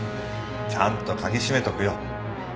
ちゃんと鍵締めとくよ